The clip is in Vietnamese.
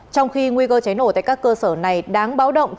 trong khi nguy cơ cháy nổ tại các cơ sở này đáng báo động